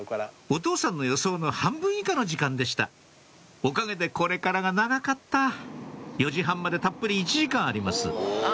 お父さんの予想の半分以下の時間でしたおかげでこれからが長かった４時半までたっぷり１時間あります